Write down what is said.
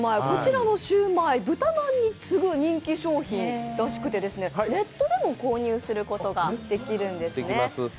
こちらの焼売、豚まんに次ぐ人気商品らしくネットでも購入することができるんですね。